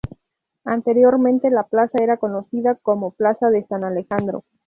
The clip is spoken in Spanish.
Anteriormente la plaza era conocida como plaza de San Alejandro.